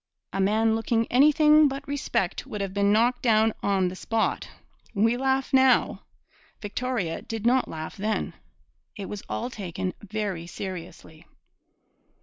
A man looking anything but respect would have been knocked down on the spot. We laugh now! Victoria did not laugh then. It was all taken very seriously.